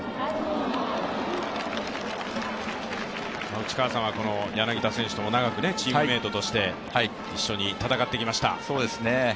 内川さんは柳田選手とも長くチームメイトとして一緒に戦ってきました。